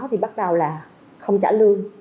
thì bắt đầu là không trả lương